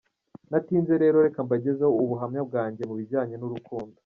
Ntatinze rero reka mbagezeho ubuhamya bwanjye mu bijyanye n’urukundo: